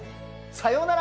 さようなら。